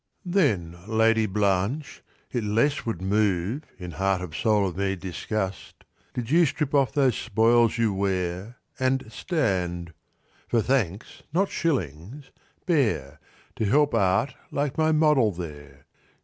He. Then, Lady Blanche, it less would move In heart and soul of me disgust Did you strip off those spoils you wear, And stand for thanks, not shillings bare To help Art like my Model there.